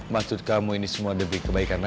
maksud kamu ini semua demi kebaikan